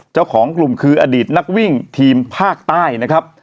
เจ้าของกลุ่มคืออดีตนักวิ่งทีมภาคใต้นะครับ